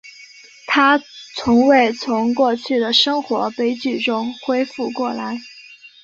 她从未从过去的生活悲剧中恢复过来。